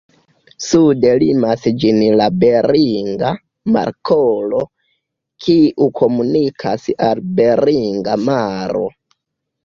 Sude limas ĝin la Beringa Markolo, kiu komunikas al Beringa maro.